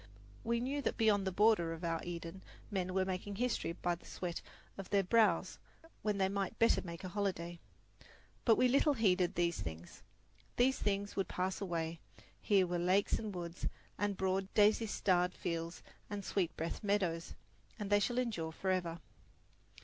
We knew that beyond the border of our Eden men were making history by the sweat of their brows when they might better make a holiday. But we little heeded these things. These things would pass away; here were lakes and woods and broad daisy starred fields and sweet breathed meadows, and they shall endure forever.